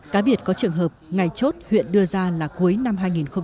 cá biệt có trường hợp ngày chốt huyện đưa ra là cuối năm hai nghìn một mươi chín